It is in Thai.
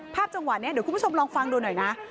จังหวะนี้เดี๋ยวคุณผู้ชมลองฟังดูหน่อยนะ